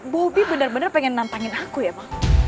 bobby bener bener pengen nantangin aku ya ma